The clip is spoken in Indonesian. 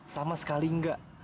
sama sekali enggak